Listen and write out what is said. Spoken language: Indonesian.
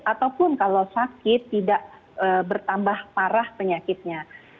ataupun kalau sakit tidak bertambah parah penyakitnya